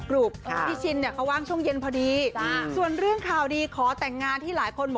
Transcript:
ก็ส่งซิกให้เลยเพลงนี้นะครับ